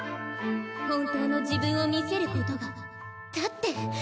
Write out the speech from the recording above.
本当の自分を見せることが。だって！